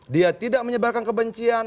dia tidak menyebarkan kebencian